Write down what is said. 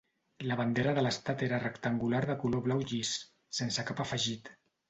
La bandera de l'estat era rectangular de color blau llis, sense cap afegit.